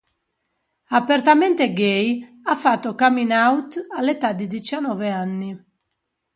Apertamente gay, ha fatto coming out all'età di diciannove anni.